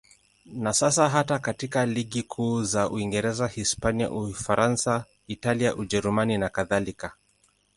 Na sasa hata katika ligi kuu za Uingereza, Hispania, Ufaransa, Italia, Ujerumani nakadhalika.